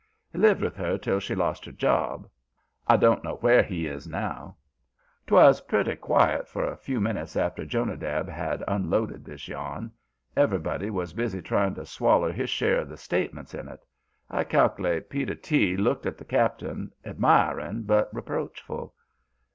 He lived with her till she lost her job. I don't know where he is now." 'Twas purty quiet for a few minutes after Jonadab had unloaded this yarn. Everybody was busy trying to swaller his share of the statements in it, I cal'late. Peter T. looked at the Cap'n, admiring but reproachful.